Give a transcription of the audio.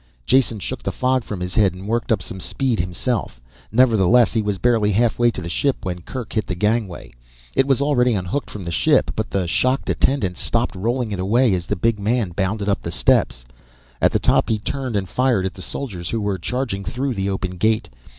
Jason shook the fog from his head and worked up some speed himself. Nevertheless, he was barely halfway to the ship when Kerk hit the gangway. It was already unhooked from the ship, but the shocked attendants stopped rolling it away as the big man bounded up the steps. At the top he turned and fired at the soldiers who were charging through the open gate.